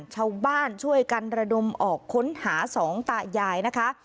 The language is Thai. ชาวบ้านช่วยกันระดมออกค้นหาสองตายายนะคะ